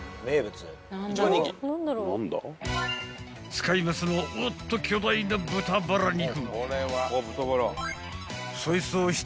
［使いますのはおっと巨大な豚バラ肉］